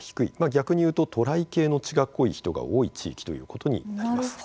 逆にいうと渡来系の血が濃い人が多い地域ということになります。